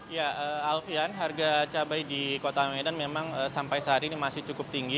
ya alfian harga cabai di kota medan memang sampai saat ini masih cukup tinggi